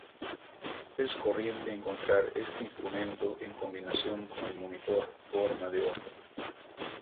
Es corriente encontrar este instrumento en combinación con el monitor forma de onda.